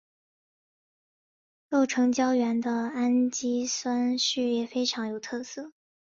构成胶原的氨基酸序列非常有特色。